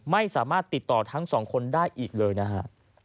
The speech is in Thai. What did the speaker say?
ไม่สามารถติดต่อทั้งสองคนได้อีกเลยนะฮะ